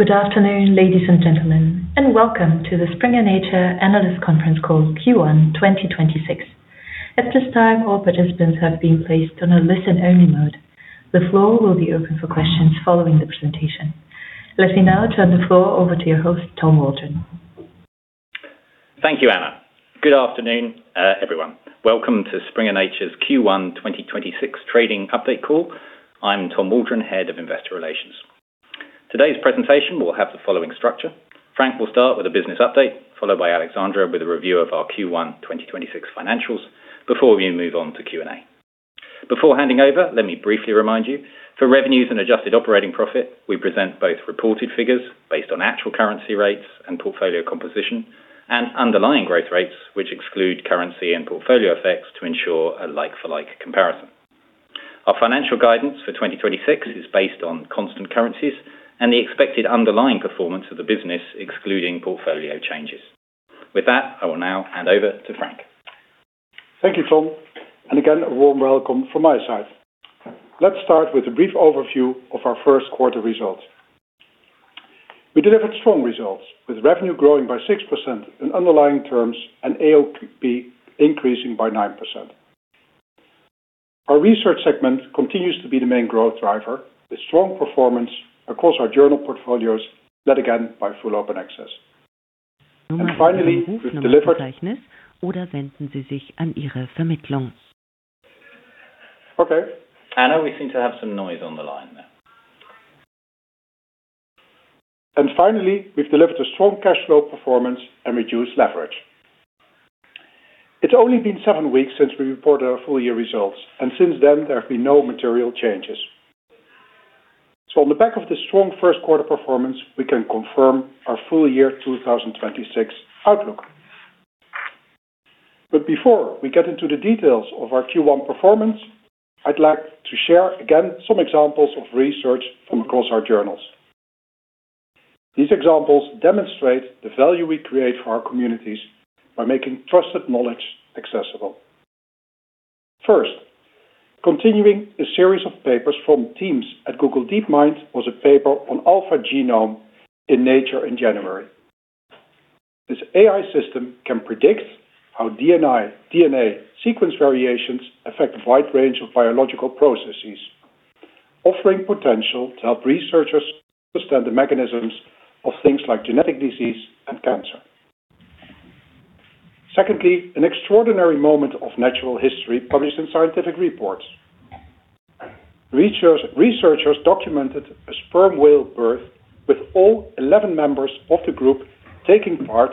Good afternoon, ladies and gentlemen, and welcome to the Springer Nature Analyst Conference Call Q1 2026. At this time, all participants have been placed on a listen-only mode. The floor will be open for questions following the presentation. Let me now turn the floor over to your host, Tom Waldron. Thank you, Anna. Good afternoon, everyone. Welcome to Springer Nature's Q1 2026 Trading Update Call. I'm Tom Waldron, Head of Investor Relations. Today's presentation will have the following structure. Frank will start with a business update, followed by Alexandra with a review of our Q1 2026 financials before we move on to Q&A. Before handing over, let me briefly remind you, for revenues and adjusted operating profit, we present both reported figures based on actual currency rates and portfolio composition and underlying growth rates, which exclude currency and portfolio effects to ensure a like-for-like comparison. Our financial guidance for 2026 is based on constant currencies and the expected underlying performance of the business, excluding portfolio changes. With that, I will now hand over to Frank. Thank you, Tom, and again, a warm welcome from my side. Let's start with a brief overview of our first quarter results. We delivered strong results with revenue growing by 6% in underlying terms and AOP increasing by 9%. Our research segment continues to be the main growth driver with strong performance across our journal portfolios, led again by full open access. Finally, we've delivered. Okay. Anna, we seem to have some noise on the line there. Finally, we've delivered a strong cash flow performance and reduced leverage. It's only been seven weeks since we reported our full-year results, and since then, there have been no material changes. On the back of the strong first quarter performance, we can confirm our full-year 2026 outlook. Before we get into the details of our Q1 performance, I'd like to share again some examples of research from across our journals. These examples demonstrate the value we create for our communities by making trusted knowledge accessible. First, continuing a series of papers from teams at Google DeepMind was a paper on AlphaGo in Nature in January. This AI system can predict how DNA sequence variations affect a wide range of biological processes, offering potential to help researchers understand the mechanisms of things like genetic disease and cancer. Secondly, an extraordinary moment of natural history published in Scientific Reports. Researchers documented a sperm whale birth with all 11 members of the group taking part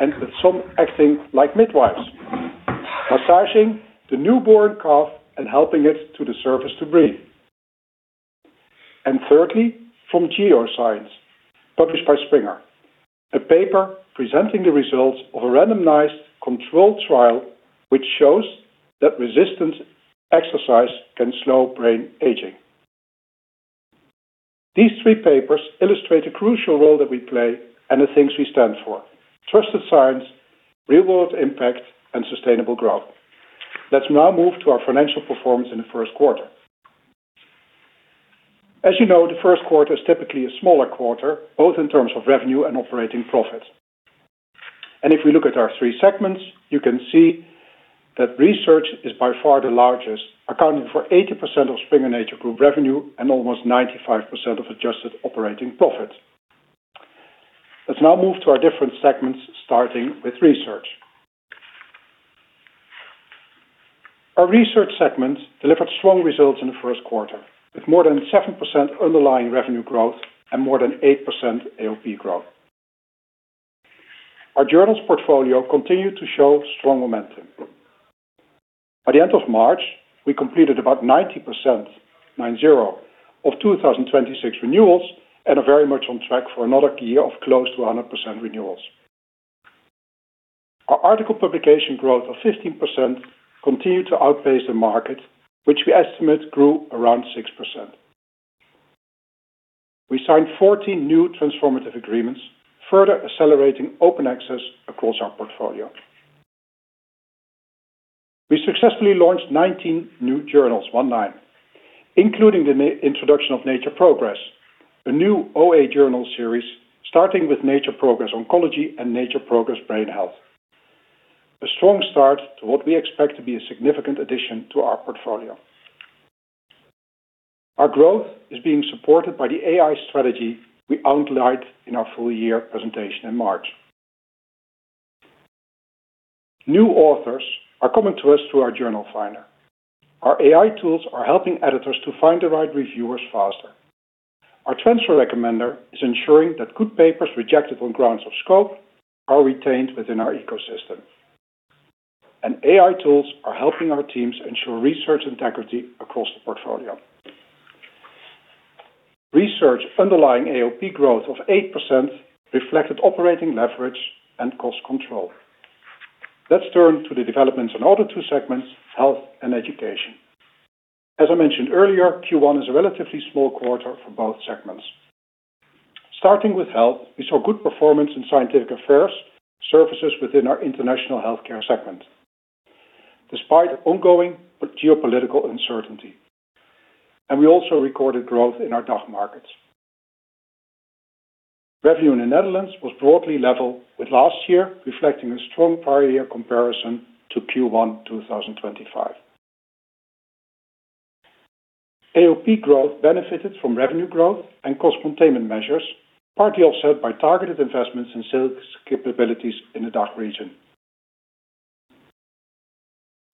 and with some acting like midwives, massaging the newborn calf and helping it to the surface to breathe. Thirdly, from GeroScience, published by Springer, a paper presenting the results of a randomized controlled trial which shows that resistance exercise can slow brain aging. These three papers illustrate the crucial role that we play and the things we stand for: trusted science, real-world impact, and sustainable growth. Let's now move to our financial performance in the first quarter. As you know, the first quarter is typically a smaller quarter, both in terms of revenue and operating profit. If we look at our three segments, you can see that research is by far the largest, accounting for 80% of Springer Nature group revenue and almost 95% of adjusted operating profit. Let's now move to our different segments, starting with research. Our research segment delivered strong results in the first quarter, with more than 7% underlying revenue growth and more than 8% AOP growth. Our journals portfolio continued to show strong momentum. By the end of March, we completed about 90% (90) of 2026 renewals, and are very much on track for another year of close to 100% renewals. Our article publication growth of 15% continued to outpace the market, which we estimate grew around 6%. We signed 14 new transformative agreements, further accelerating open access across our portfolio. We successfully launched 19 new journals, 19, including the introduction of Nature Progress, a new OA journal series starting with Nature Progress Oncology and Nature Progress Brain Health. A strong start to what we expect to be a significant addition to our portfolio. Our growth is being supported by the AI strategy we outlined in our full-year presentation in March. New authors are coming to us through our Journal Finder. Our AI tools are helping editors to find the right reviewers faster. Our Transfer Recommender is ensuring that good papers rejected on grounds of scope are retained within our ecosystem. AI tools are helping our teams ensure research integrity across the portfolio. Research underlying AOP growth of 8% reflected operating leverage and cost control. Let's turn to the developments in order two segments, health and education. As I mentioned earlier, Q1 is a relatively small quarter for both segments. Starting with health, we saw good performance in scientific affairs, services within our international healthcare segment, despite ongoing geopolitical uncertainty. We also recorded growth in our DACH markets. Revenue in the Netherlands was broadly level with last year, reflecting a strong prior year comparison to Q1 2025. AOP growth benefited from revenue growth and cost containment measures, partly offset by targeted investments in sales capabilities in the DACH region.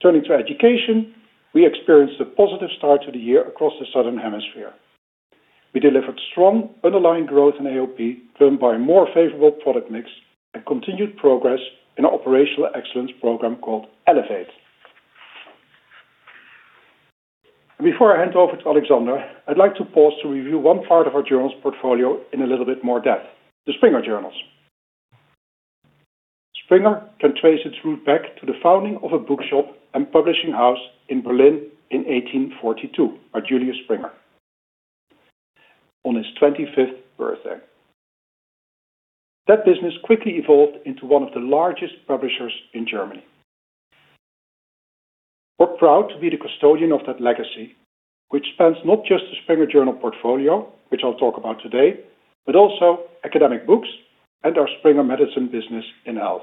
Turning to Education, we experienced a positive start to the year across the Southern Hemisphere. We delivered strong underlying growth in AOP, driven by more favorable product mix and continued progress in our operational excellence program called Elevate. Before I hand over to Alexandra, I'd like to pause to review one part of our journals portfolio in a little bit more depth, the Springer journals. Springer can trace its root back to the founding of a bookshop and publishing house in Berlin in 1842 by Julius Springer on his 25th birthday. That business quickly evolved into one of the largest publishers in Germany. We're proud to be the custodian of that legacy, which spans not just the Springer journal portfolio, which I'll talk about today, but also academic books and our Springer Medicine business in Health.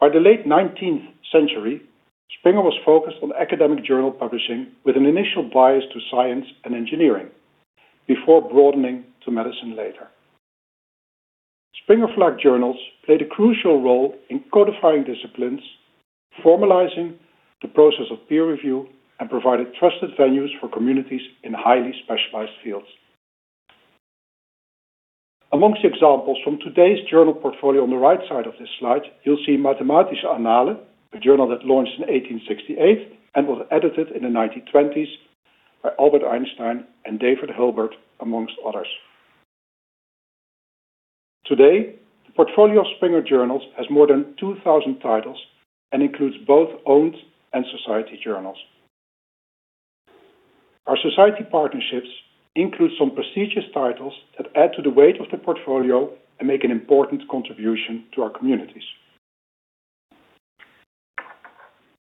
By the late 19th century, Springer was focused on academic journal publishing with an initial bias to science and engineering before broadening to medicine later. Springer-flagged journals played a crucial role in codifying disciplines, formalizing the process of peer review, and provided trusted venues for communities in highly specialized fields. Amongst the examples from today's journal portfolio on the right side of this slide, you'll see Mathematische Annalen, a journal that launched in 1868 and was edited in the 1920s by Albert Einstein and David Hilbert, amongst others. Today, the portfolio of Springer journals has more than 2,000 titles and includes both owned and society journals. Our society partnerships include some prestigious titles that add to the weight of the portfolio and make an important contribution to our communities.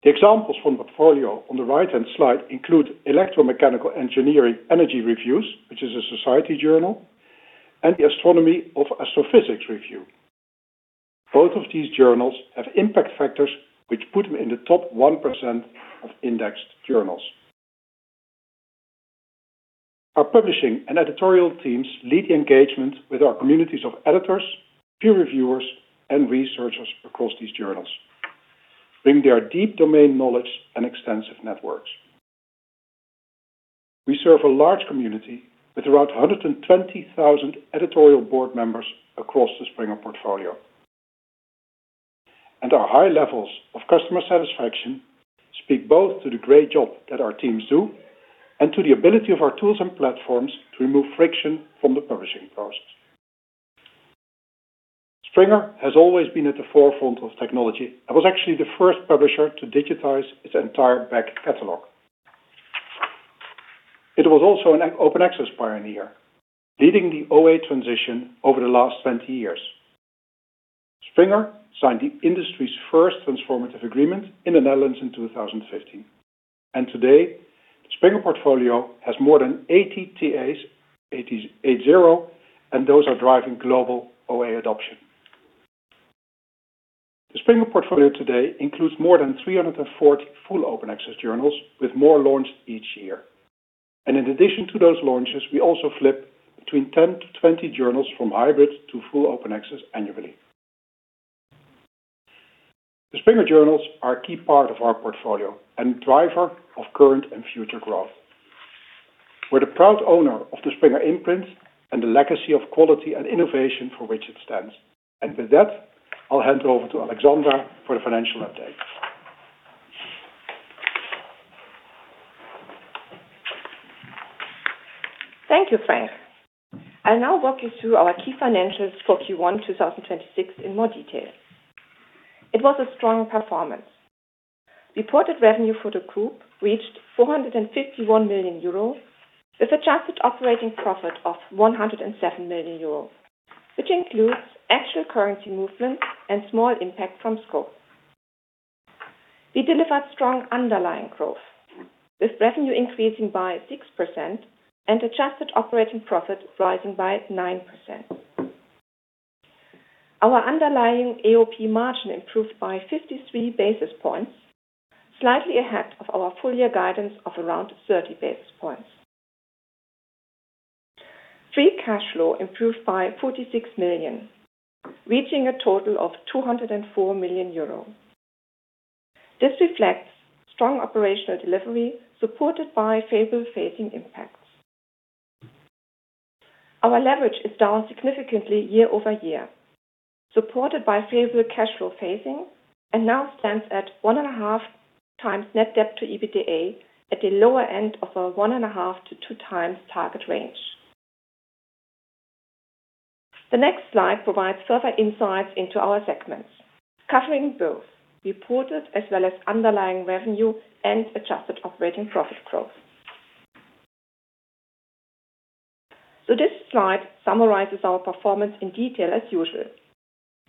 The examples from the portfolio on the right-hand slide include Electrochemical Energy Reviews, which is a society journal, and The Astronomy and Astrophysics Review. Both of these journals have impact factors which put them in the top 1% of indexed journals. Our publishing and editorial teams lead the engagement with our communities of editors, peer reviewers, and researchers across these journals, bringing their deep domain knowledge and extensive networks. We serve a large community with around 120,000 editorial board members across the Springer portfolio. Our high levels of customer satisfaction speak both to the great job that our teams do and to the ability of our tools and platforms to remove friction from the publishing process. Springer has always been at the forefront of technology and was actually the first publisher to digitize its entire back catalogue. It was also an open access pioneer, leading the OA transition over the last 20 years. Springer signed the industry's first transformative agreement in the Netherlands in 2015. And today, Springer portfolio has more than 80 TAs, 80 A zero, and those are driving global OA adoption. The Springer portfolio today includes more than 340 full open access journals, with more launched each year. In addition to those launches, we also flip between 10-20 journals from hybrid to full open access annually. The Springer journals are a key part of our portfolio and driver of current and future growth. We're the proud owner of the Springer imprint and the legacy of quality and innovation for which it stands. With that, I'll hand over to Alexandra for the financial update. Thank you, Frank. I'll now walk you through our key financials for Q1 2026 in more detail. It was a strong performance. Reported revenue for the group reached 451 million euro, with adjusted operating profit of 107 million euro, which includes actual currency movements and small impact from scope. We delivered strong underlying growth, with revenue increasing by 6% and adjusted operating profit rising by 9%. Our underlying AOP margin improved by 53 basis points, slightly ahead of our full year guidance of around 30 basis points. Free cash flow improved by 46 million, reaching a total of 204 million euro. This reflects strong operational delivery supported by favorable phasing impacts. Our leverage is down significantly year-over-year, supported by favorable cash flow phasing, and now stands at 1.5x net debt to EBITDA at the lower end of our 1.5x-2x target range. The next slide provides further insights into our segments, covering both reported as well as underlying revenue and adjusted operating profit growth. This slide summarizes our performance in detail as usual,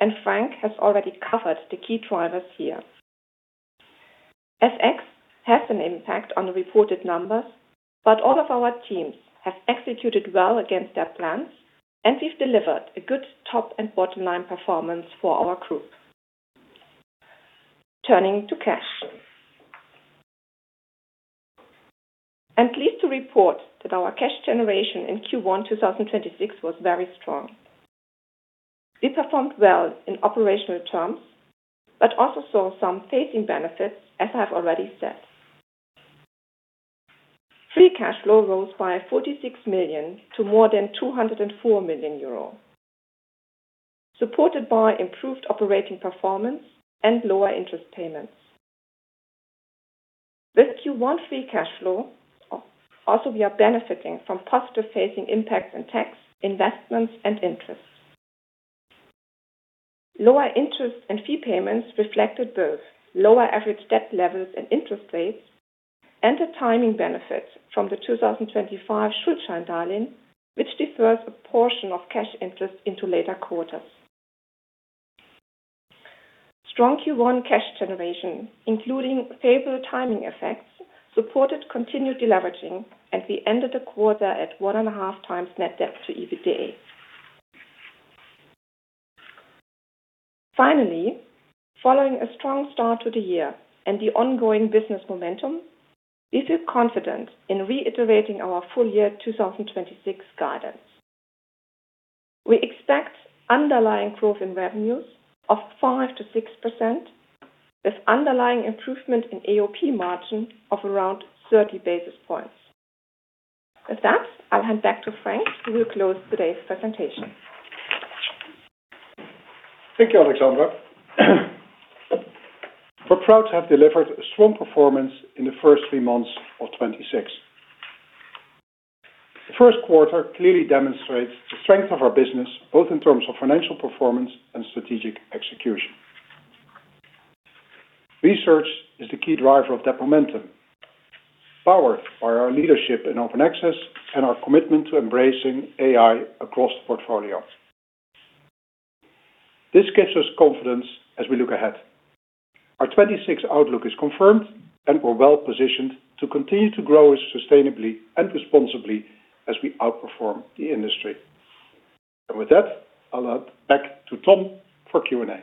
and Frank has already covered the key drivers here. FX has an impact on the reported numbers. All of our teams have executed well against their plans, and we've delivered a good top and bottom line performance for our group. Turning to cash. I'm pleased to report that our cash generation in Q1 2026 was very strong. We performed well in operational terms, also saw some phasing benefits, as I have already said. Free cash flow rose by 46 million to more than 204 million euro, supported by improved operating performance and lower interest payments. With Q1 free cash flow, also we are benefiting from positive phasing impacts in tax, investments, and interest. Lower interest and fee payments reflected both lower average debt levels and interest rates and the timing benefits from the 2025 Schuldscheindarlehen, which defers a portion of cash interest into later quarters. Strong Q1 cash generation, including favorable timing effects, supported continued deleveraging as we ended the quarter at 1.5x net debt to EBITDA. Following a strong start to the year and the ongoing business momentum, we feel confident in reiterating our full year 2026 guidance. We expect underlying growth in revenues of 5%-6%, with underlying improvement in AOP margin of around 30 basis points. With that, I'll hand back to Frank, who will close today's presentation. Thank you, Alexandra. We're proud to have delivered a strong performance in the first three months of 2026. The first quarter clearly demonstrates the strength of our business, both in terms of financial performance and strategic execution. Research is the key driver of that momentum, powered by our leadership in open access and our commitment to embracing AI across the portfolio. This gives us confidence as we look ahead. Our 2026 outlook is confirmed, and we're well-positioned to continue to grow sustainably and responsibly as we outperform the industry. With that, I'll hand back to Tom for Q&A.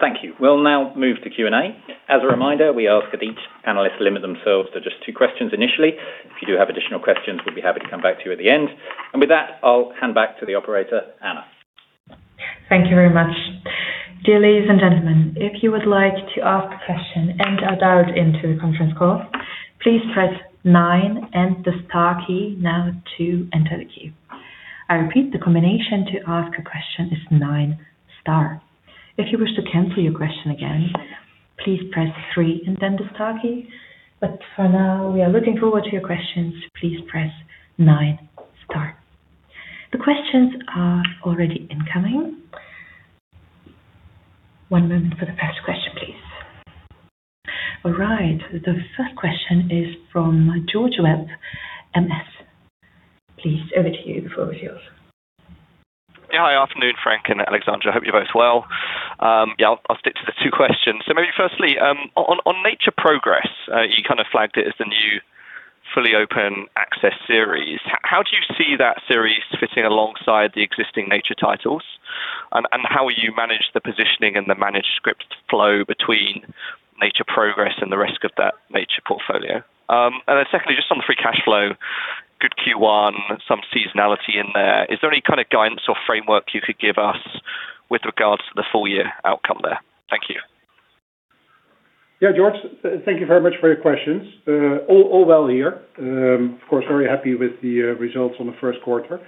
Thank you. We'll now move to Q&A. As a reminder, we ask that each analyst limit themselves to just two questions initially. If you do have additional questions, we'll be happy to come back to you at the end. With that, I'll hand back to the operator, Anna. Thank you very much. Dear ladies and gentlemen, The first question is from George Webb, MS. Please, over to you. The floor is yours. Hi. Afternoon, Frank and Alexandra. I hope you're both well. yeah, I'll stick to the two questions. Maybe firstly, on Nature Progress, you kinda flagged it as the new fully open access series. How do you see that series fitting alongside the existing Nature titles? And how will you manage the positioning and the managed script flow between Nature Progress and the rest of that Nature Portfolio? Secondly, just on the free cash flow, good Q1, some seasonality in there. Is there any kinda guidance or framework you could give us with regards to the full-year outcome there? Thank you. Yeah, George, thank you very much for your questions. All well here. Of course, very happy with the results on the first quarter.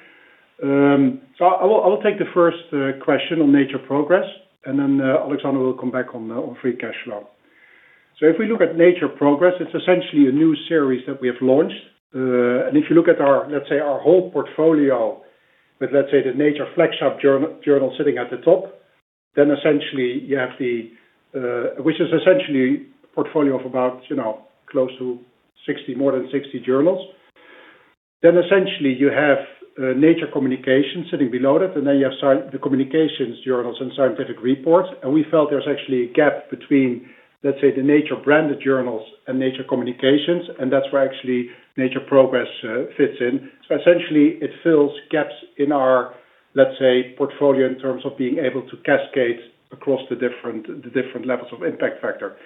I will take the first question on Nature Progress, and then Alexandra will come back on free cash flow. If we look at Nature Progress, it's essentially a new series that we have launched. If you look at our, let's say, our whole portfolio with, let's say, the Nature flagship journal sitting at the top, then essentially you have the, which is essentially a portfolio of about, you know, close to 60, more than 60 journals. Essentially you have Nature Communications sitting below it, and you have the communications journals and Scientific Reports. We felt there was actually a gap between, let's say, the Nature-branded journals and Nature Communications, and that's where actually Nature Progress fits in. Essentially it fills gaps in our, let's say, portfolio in terms of being able to cascade across the different, the different levels of impact factor.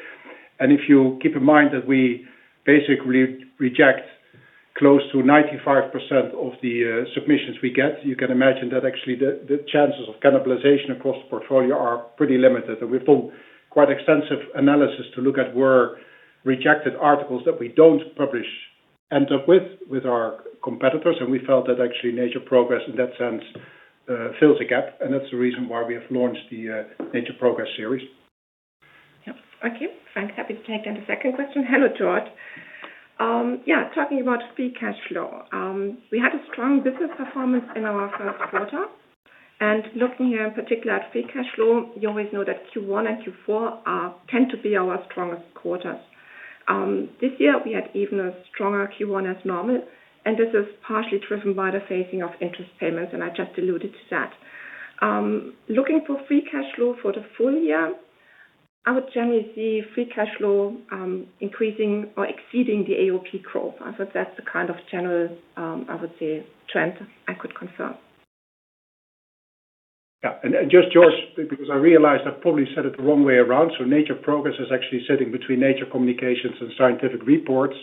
If you keep in mind that we basically reject close to 95% of the submissions we get, you can imagine that actually the chances of cannibalization across the portfolio are pretty limited. We've done quite extensive analysis to look at where rejected articles that we don't publish end up with our competitors, and we felt that actually Nature Progress, in that sense, fills a gap. That's the reason why we have launched the Nature Progress series. Okay. Frank, happy to take the second question. Hello, George. Talking about free cash flow, we had a strong business performance in our first quarter. Looking here in particular at free cash flow, you always know that Q1 and Q4 tend to be our strongest quarters. This year we had even a stronger Q1 as normal, and this is partially driven by the phasing of interest payments, and I just alluded to that. Looking for free cash flow for the full-year, I would generally see free cash flow increasing or exceeding the AOP growth. I thought that's the kind of general trend I could confirm. Yeah. Just, George, because I realized I probably said it the wrong way around. Nature Progress is actually sitting between Nature Communications and Scientific Reports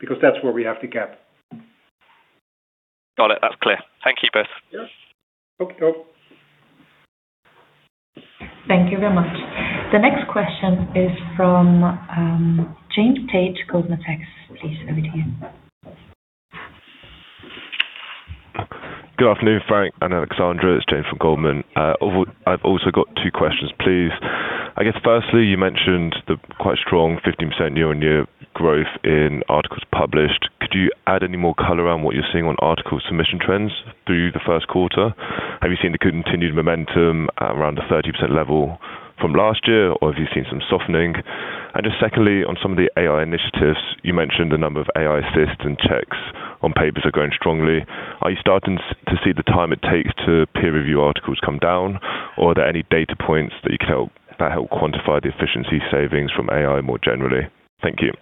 because that's where we have the gap. Got it. That's clear. Thank you both. Yes. Okay. Cool. Thank you very much. The next question is from James Tate, Goldman Sachs. Please, over to you. Good afternoon, Frank and Alexandra. It's James from Goldman. I've also got two questions, please. I guess, firstly, you mentioned the quite strong 15% year-on-year growth in articles published. Could you add any more color on what you're seeing on article submission trends through the first quarter? Have you seen the continued momentum at around the 30% level from last year, or have you seen some softening? Secondly, on some of the AI initiatives, you mentioned a number of AI assists and checks on papers are growing strongly. Are you starting to see the time it takes to peer review articles come down? Are there any data points that you can help, that help quantify the efficiency savings from AI more generally? Thank you.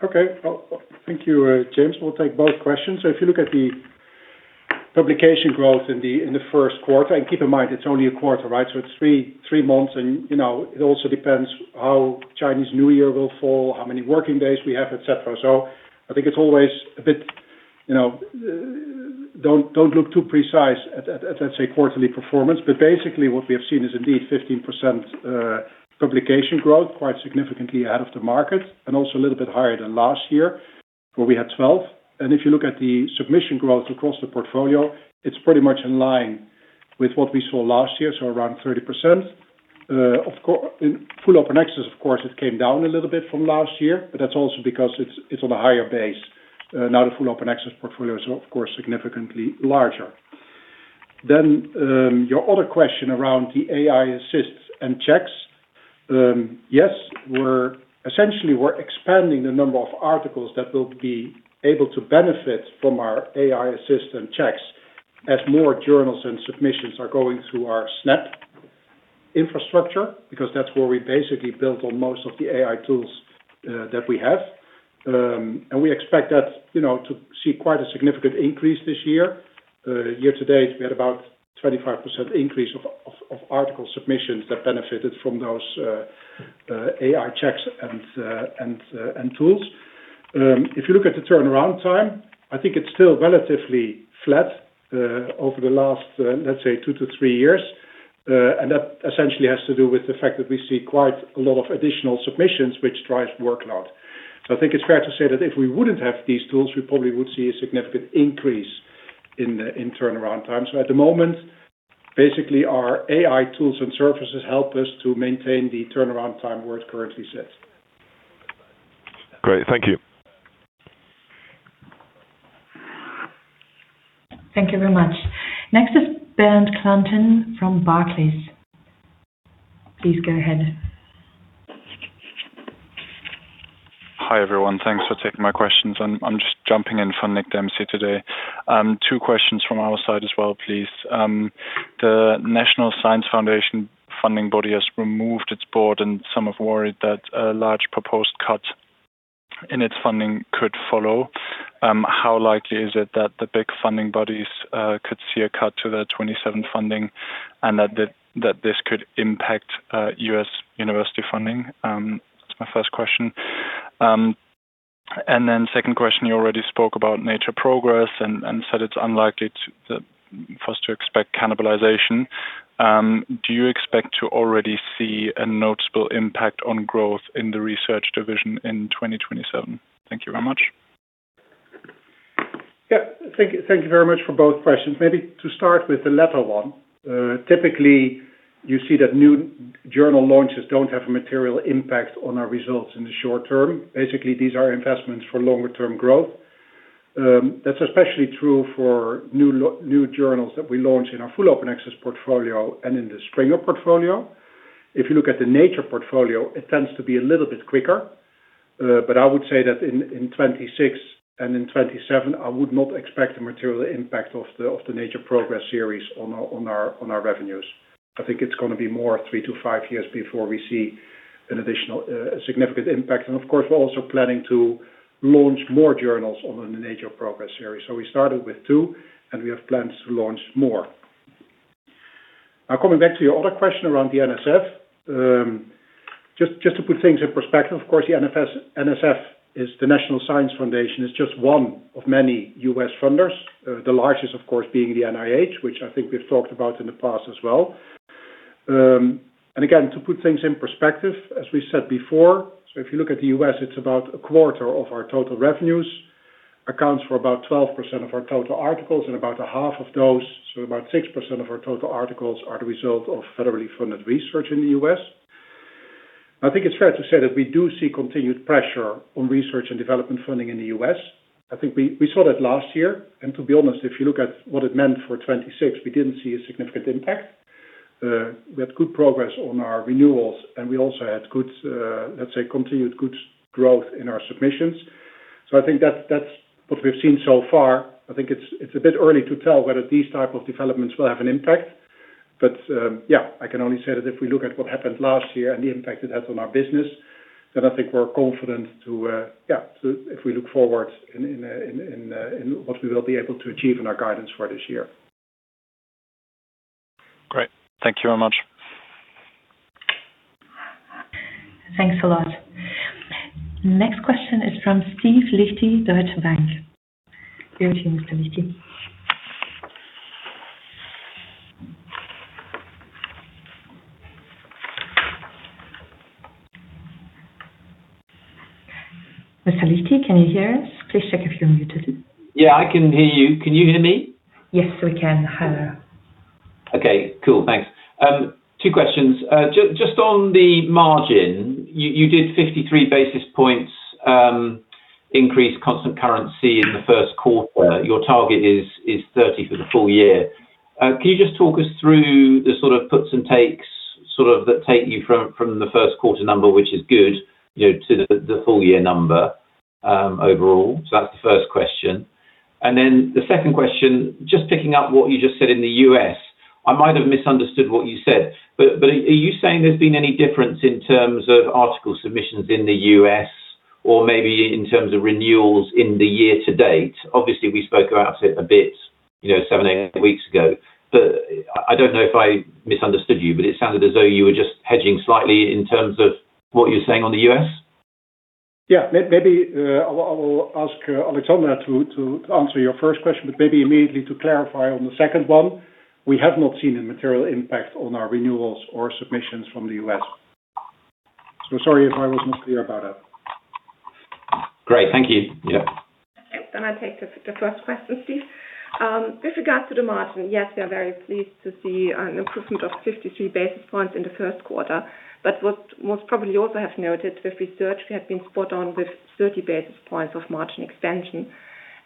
Well, thank you, James. We'll take both questions. If you look at the publication growth in the first quarter, and keep in mind, it's only a quarter, right? It's three months and, you know, it also depends how Chinese New Year will fall, how many working days we have, et cetera. I think it's always a bit, you know, don't look too precise at, let's say, quarterly performance. Basically what we have seen is indeed 15% publication growth, quite significantly ahead of the market and also a little bit higher than last year, where we had 12. If you look at the submission growth across the portfolio, it's pretty much in line with what we saw last year, around 30%. In full open access, of course, it came down a little bit from last year, but that's also because it's on a higher base. Now the full open access portfolio is of course, significantly larger. Your other question around the AI assists and checks. Yes, essentially, we're expanding the number of articles that will be able to benefit from our AI assist and checks as more journals and submissions are going through our Snapp infrastructure, because that's where we basically built on most of the AI tools that we have. We expect that, you know, to see quite a significant increase this year. Year-to-date, we had about 25% increase of article submissions that benefited from those AI checks and tools. If you look at the turnaround time, I think it's still relatively flat, over the last, let's say two to three years. That essentially has to do with the fact that we see quite a lot of additional submissions which drives workload. I think it's fair to say that if we wouldn't have these tools, we probably would see a significant increase in the, in turnaround time. At the moment, our AI tools and services help us to maintain the turnaround time where it currently sits. Great. Thank you. Thank you very much. Next is Bernd Klanten from Barclays. Please go ahead. Hi, everyone. Thanks for taking my questions. I'm just jumping in for Nick Dempsey today. Two questions from our side as well, please. The National Science Foundation funding body has removed its board, and some have worried that a large proposed cut in its funding could follow. How likely is it that the big funding bodies could see a cut to their 27 funding and that this could impact U.S. university funding? That's my first question. Second question, you already spoke about Nature Progress and said it's unlikely to, for us to expect cannibalization. Do you expect to already see a noticeable impact on growth in the research division in 2027? Thank you very much. Thank you. Thank you very much for both questions. Maybe to start with the latter one. Typically, you see that new journal launches don't have a material impact on our results in the short-term. Basically, these are investments for longer term growth. That's especially true for new journals that we launch in our full open access portfolio and in the Springer portfolio. If you look at the Nature Portfolio, it tends to be a little bit quicker. I would say that in 2026 and in 2027, I would not expect the material impact of the Nature Progress series on our revenues. I think it's gonna be more three to five years before we see an additional significant impact. Of course, we're also planning to launch more journals on the Nature Progress series. We started with two, and we have plans to launch more. Now, coming back to your other question around the NSF. Just to put things in perspective, of course, the NSF is the National Science Foundation. It's just one of many U.S. funders. The largest, of course, being the NIH, which I think we've talked about in the past as well. And again, to put things in perspective, as we said before, if you look at the U.S., it's about a quarter of our total revenues, accounts for about 12% of our total articles and about a half of those, so about 6% of our total articles are the result of federally funded research in the U.S. I think it's fair to say that we do see continued pressure on research and development funding in the U.S. I think we saw that last year. To be honest, if you look at what it meant for 2026, we didn't see a significant impact. We had good progress on our renewals, and we also had good, let's say continued good growth in our submissions. I think that's what we've seen so far. I think it's a bit early to tell whether these type of developments will have an impact. But yeah, I can only say that if we look at what happened last year and the impact it has on our business, then I think we're confident to, if we look forward in what we will be able to achieve in our guidance for this year. Great. Thank you very much. Thanks a lot. Next question is from Steve Liechti, Deutsche Bank. Over to you, Mr. Liechti. Mr. Liechti, can you hear us? Please check if you're muted. Yeah, I can hear you. Can you hear me? Yes, we can. Hello. Okay, cool. Thanks. Two questions. Just on the margin, you did 53 basis points increase constant currency in the first quarter. Your target is 30 for the full year. Can you just talk us through the sort of puts and takes, sort of that take you from the first quarter number, which is good, you know, to the full year number overall? That's the first question. The second question, just picking up what you just said in the U.S., I might have misunderstood what you said, but are you saying there's been any difference in terms of article submissions in the U.S. or maybe in terms of renewals in the year-to-date? Obviously, we spoke about it a bit, you know, seven, eight weeks ago, but I don't know if I misunderstood you, but it sounded as though you were just hedging slightly in terms of what you're saying on the U.S. Yeah. Maybe I will ask Alexandra to answer your first question, but immediately to clarify on the second one. We have not seen a material impact on our renewals or submissions from the U.S. Sorry if I was not clear about that. Great. Thank you. Yeah. Okay. I take the first question, Steve. With regards to the margin, yes, we are very pleased to see an improvement of 53 basis points in the first quarter. What most probably also have noted, with research, we have been spot on with 30 basis points of margin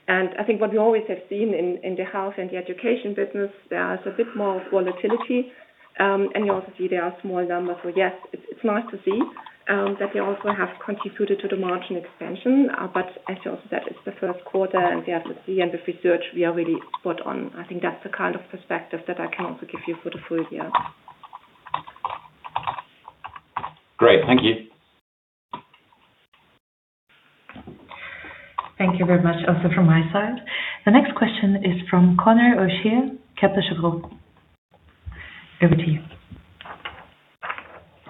extension. I think what we always have seen in the health and the education business, there is a bit more volatility. You also see there are small numbers. Yes, it's nice to see that they also have contributed to the margin expansion. As you also said, it's the first quarter and we have to see. With research, we are really spot on. I think that's the kind of perspective that I can also give you for the full year. Great. Thank you. Thank you very much also from my side. The next question is from Conor O'Shea, Kepler Cheuvreux. Over to you.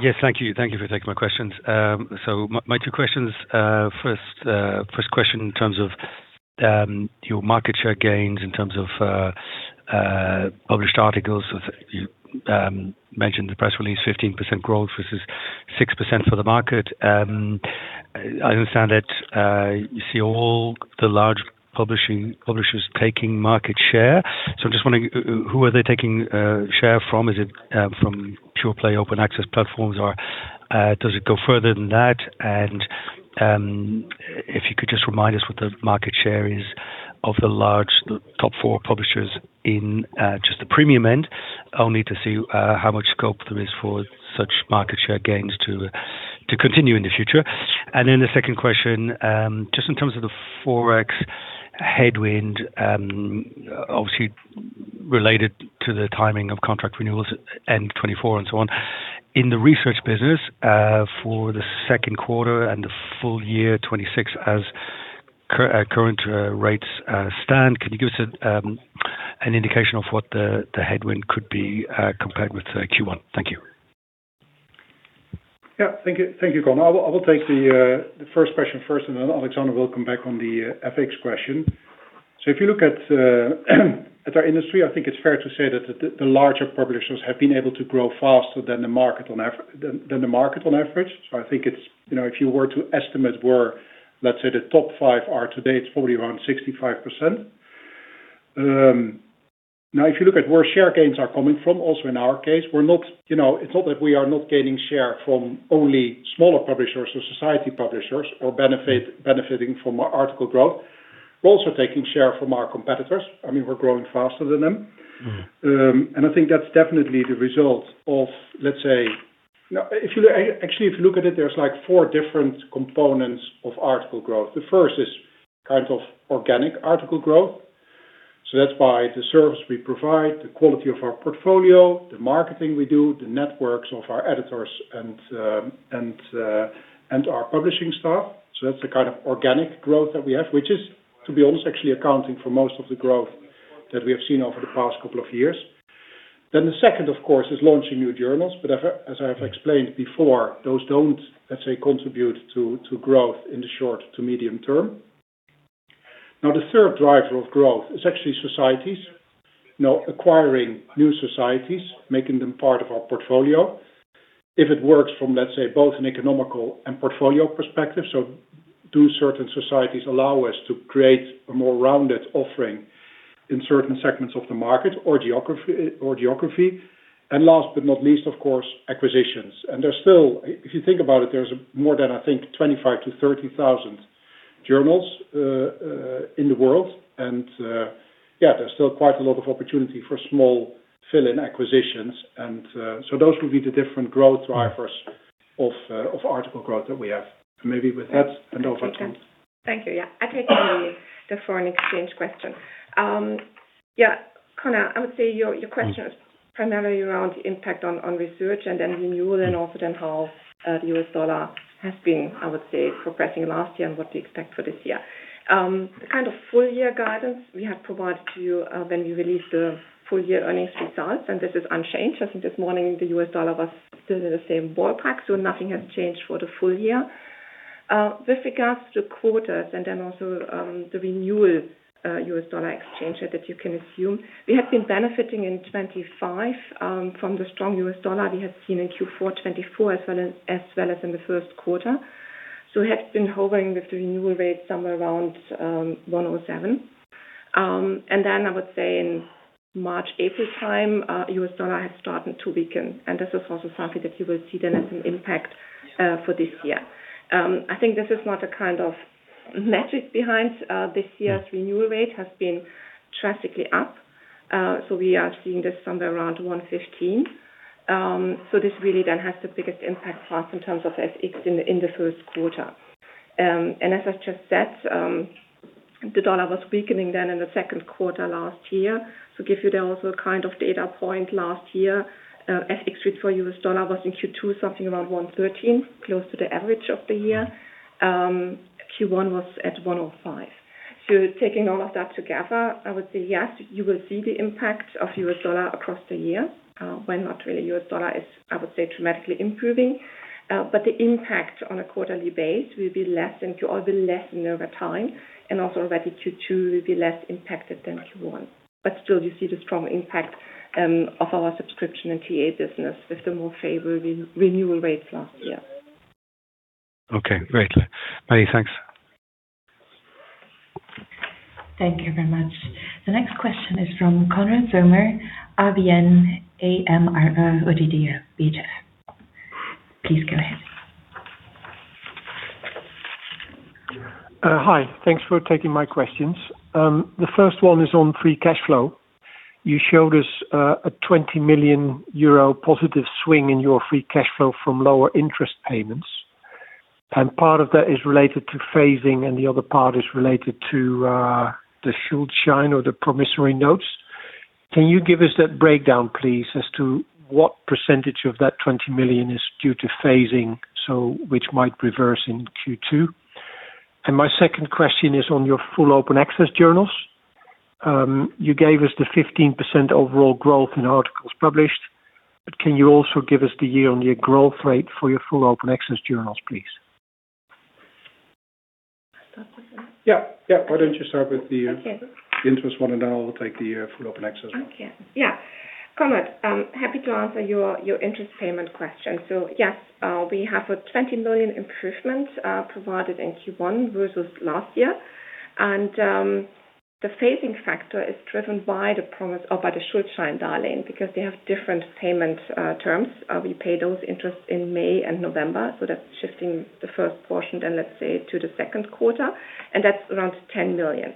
Yes, thank you. Thank you for taking my questions. My two questions. First question in terms of your market share gains in terms of published articles. You mentioned the press release 15% growth versus 6% for the market. I understand that you see all the large publishers taking market share. I'm just wondering, who are they taking share from? Is it from pure play open access platforms, or does it go further than that? If you could just remind us what the market share is of the top four publishers in just the premium end, only to see how much scope there is for such market share gains to continue in the future. The second question, just in terms of the forex headwind, obviously related to the timing of contract renewals and 2024 and so on. In the research business, for the second quarter and the full-year 2026 as current rates stand, can you give us an indication of what the headwind could be compared with Q1? Thank you. Thank you. Thank you, Conor. I will take the first question first, Alexandra will come back on the FX question. If you look at our industry, I think it's fair to say that the larger publishers have been able to grow faster than the market on average. I think it's, you know, if you were to estimate where, let's say, the top five are today, it's probably around 65%. Now, if you look at where share gains are coming from, also in our case, we're not, you know, it's not that we are not gaining share from only smaller publishers or society publishers or benefiting from our article growth. We're also taking share from our competitors. I mean, we're growing faster than them. I think that's definitely the result of, let's say. If you actually look at it, there's, like, four different components of article growth. The first is kind of organic article growth. That's by the service we provide, the quality of our portfolio, the marketing we do, the networks of our editors and our publishing staff. That's the kind of organic growth that we have, which is, to be honest, actually accounting for most of the growth that we have seen over the past couple of years. The second, of course, is launching new journals. As I have explained before, those don't, let's say, contribute to growth in the short to medium-term. The third driver of growth is actually societies. Acquiring new societies, making them part of our portfolio. If it works from, let's say, both an economic and portfolio perspective. Do certain societies allow us to create a more rounded offering in certain segments of the market or geography. Last but not least, of course, acquisitions. There's still If you think about it, there's more than, I think, 25,000 to 30,000 journals in the world. Yeah, there's still quite a lot of opportunity for small fill-in acquisitions. Those will be the different growth drivers of article growth that we have. Maybe with that, hand over to- Thank you. Yeah. I'll take the foreign exchange question. Yeah, Conor, I would say your question is primarily around the impact on research and renewal and also then how the U.S. dollar has been, I would say, progressing last year and what to expect for this year. The kind of full-year guidance we had provided to you when we released the full year earnings results, this is unchanged. I think this morning the U.S. dollar was still in the same ballpark, nothing has changed for the full-year. With regards to quarters and also the renewal, U.S. dollar exchange rate that you can assume, we have been benefiting in 2025 from the strong U.S. dollar we have seen in Q4 2024 as well as in the first quarter. We have been hovering with the renewal rate somewhere around 107. I would say in March, April time, U.S. dollar has started to weaken, and this is also something that you will see then as an impact for this year. I think this is not a kind of metric behind, this year's renewal rate has been drastically up. We are seeing this somewhere around 115. This really then has the biggest impact for us in terms of FX in the first quarter. As I just said, the dollar was weakening then in the second quarter last year. To give you the also kind of data point last year, FX rate for U.S. dollar was in Q2 something around 113, close to the average of the year. Q1 was at 105. Taking all of that together, I would say yes, you will see the impact of U.S. dollar across the year, when not really U.S. dollar is, I would say, dramatically improving. The impact on a quarterly base will lessen over time, and also already Q2 will be less impacted than Q1. Still, you see the strong impact of our subscription and TA business with the more favored re-renewal rates last year. Okay, great. Manythanks. Thank you very much. The next question is from Konrad Zomer, ABN AMRO-ODDO BHF. Please go ahead. Hi. Thanks for taking my questions. The first one is on free cash flow. You showed us a 20 million euro positive swing in your free cash flow from lower interest payments, and part of that is related to phasing, and the other part is related to the Schuldschein or the promissory notes. Can you give us that breakdown, please, as to what percentage of that 20 million is due to phasing, so which might reverse in Q2? My second question is on your full open access journals. You gave us the 15% overall growth in articles published, but can you also give us the year-on-year growth rate for your full open access journals, please? Start with that? Yeah. Yeah. Why don't you start with the? Okay Interest one, and then I'll take the full open access one. Okay. Yeah. Konrad, happy to answer your interest payment question. Yes, we have a 20 million improvement provided in Q1 versus last year. The phasing factor is driven by the promise or by the Schuldschein borrowing because they have different payment terms. We pay those interests in May and November, so that's shifting the first portion, then let's say, to the second quarter, and that's around 10 million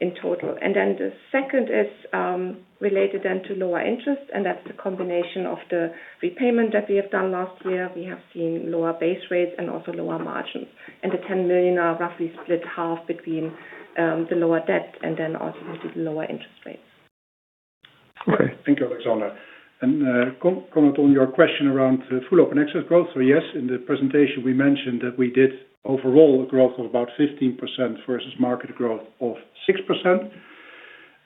in total. The second is related then to lower interest, that's a combination of the repayment that we have done last year. We have seen lower base rates and also lower margins. The 10 million are roughly split 1/2 between the lower debt and then also the lower interest rates. Okay. Thank you, Alexandra. Konrad Zomer, on your question around the full open access growth. Yes, in the presentation, we mentioned that we did overall growth of about 15% versus market growth of 6%.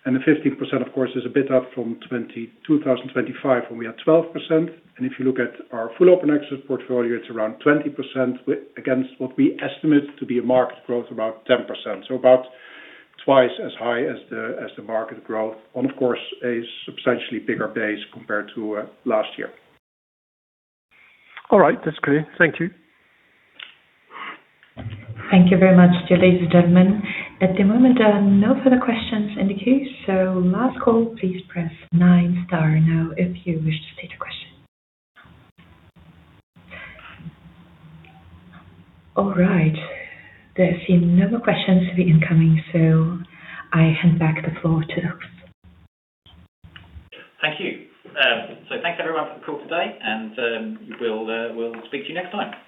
The 15%, of course, is a bit up from 2025 when we had 12%. If you look at our full open access portfolio, it's around 20% against what we estimate to be a market growth about 10%. About twice as high as the market growth, of course, a substantially bigger base compared to last year. All right. That's clear. Thank you. Thank you very much. Ladies and gentlemen, at the moment, no further questions in the queue. Last call, please press nine star now if you wish to state your question. All right. There seem no more questions to be incoming. I hand back the floor to you. Thank you. Thanks everyone for the call today. We'll speak to you next time.